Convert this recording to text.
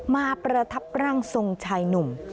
ประทับร่างทรงชายหนุ่ม